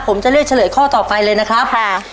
ผมจะเลือกเฉลยข้อต่อไปเลยนะครับ